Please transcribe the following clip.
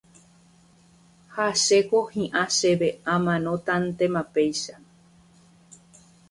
Ha chéko hi'ã chéve amanótantema péicha